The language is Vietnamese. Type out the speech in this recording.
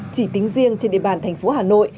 chỉ tính riêng trên địa bàn thành phố hà nội